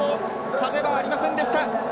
風はありませんでした。